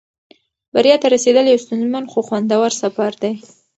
بریا ته رسېدل یو ستونزمن خو خوندور سفر دی.